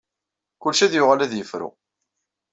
Kullec ad yuɣal ad yefru.